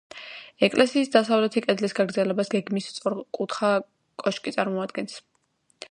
ეკლესიის დასავლეთი კედლის გაგრძელებას გეგმით სწორკუთხა კოშკი წარმოადგენს.